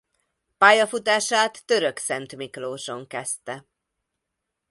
Pályafutását Törökszentmiklóson kezdte.